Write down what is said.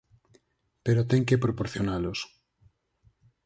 Pero ten que proporcionalos.